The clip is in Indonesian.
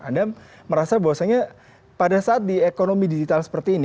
anda merasa bahwasannya pada saat di ekonomi digital seperti ini